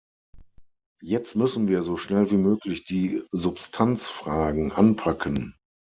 Jetzt müssen wir so schnell wie möglich die Substanzfragen anpacken.